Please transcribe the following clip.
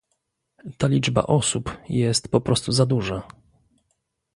Ta liczba osób jest po prostu za duża